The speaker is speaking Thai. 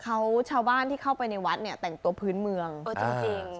เขาชาวบ้านที่เข้าไปในวัดเนี่ยแต่งตัวพื้นเมืองเออจริง